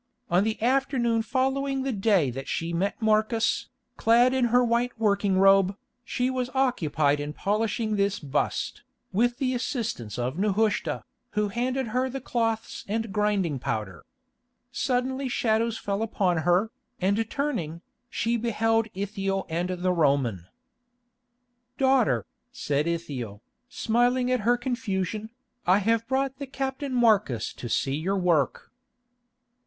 On the afternoon following the day that she met Marcus, clad in her white working robe, she was occupied in polishing this bust, with the assistance of Nehushta, who handed her the cloths and grinding powder. Suddenly shadows fell upon her, and turning, she beheld Ithiel and the Roman. "Daughter," said Ithiel, smiling at her confusion, "I have brought the captain Marcus to see your work."